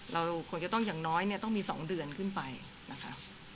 เราควรจะต้องอย่างน้อยเนี่ยต้องมี๒เดือนขึ้นไปนะคะ